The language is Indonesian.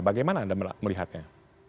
bagaimana anda melihatnya